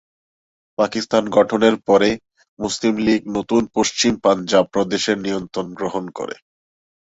পাকিস্তান গঠনের পরে, মুসলিম লীগ নতুন পশ্চিম পাঞ্জাব প্রদেশের নিয়ন্ত্রণ গ্রহণ করে।